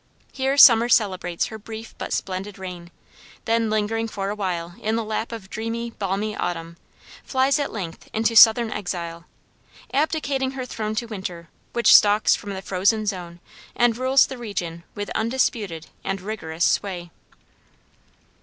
Here summer celebrates her brief but splendid reign, then lingering for a while in the lap of dreamy, balmy autumn, flies at length into southern exile, abdicating her throne to winter, which stalks from the frozen zone and rules the region with undisputed and rigorous sway.